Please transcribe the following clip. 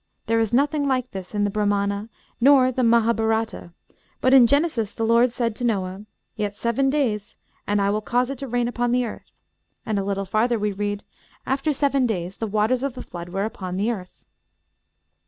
There is nothing like this in the Brâhmana nor the Mahâbhârata, but in Genesis the Lord says to Noah, 'Yet seven days and I will cause it to rain upon the earth;' and a little farther we read, 'After seven days the waters of the flood were upon the earth.'...